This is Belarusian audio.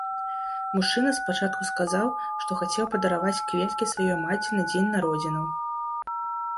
Мужчына спачатку сказаў, што хацеў падараваць кветкі сваёй маці на дзень народзінаў.